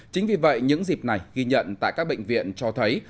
chính vì vậy những dịp này ghi nhận tại các bệnh viện cho thấy